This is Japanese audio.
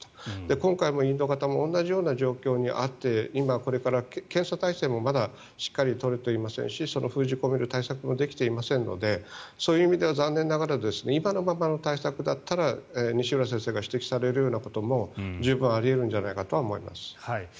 今回、インド型も同じような状況にあって今、これから検査体制もしっかり取れていませんしその封じ込める対策もできていませんのでそういう意味では残念ながら今のままの対策だったら西浦先生が指摘されるようなことも十分あり得るんじゃないかと思います。